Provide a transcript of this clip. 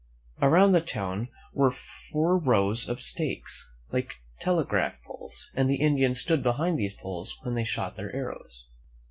Around the town were four rows of stakes, like telegraph poles, and the Indians stood behind these poles when they shot their arrows.